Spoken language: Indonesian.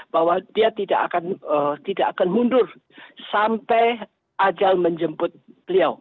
bahwa dia tidak akan mundur sampai ajal menjemput beliau